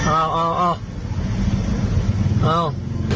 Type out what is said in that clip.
อ้าวอ้าวอ้าว